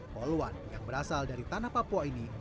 poluan yang berasal dari tanah papua ini